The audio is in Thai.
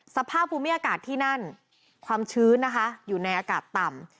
สภาพภูมิอากาศที่นั่นความชื้นนะคะอยู่ในอากาศต่ำ